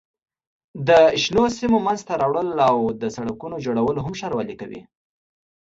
د شنو سیمو منځته راوړل او د سړکونو جوړول هم ښاروالۍ کوي.